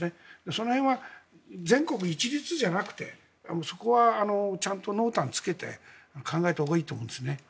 その辺は全国一律じゃなくてそこはちゃんと濃淡をつけて考えたほうがいいと思います。